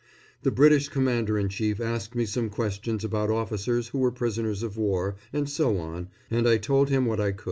The British commander in chief asked me some questions about officers who were prisoners of war, and so on, and I told him what I could.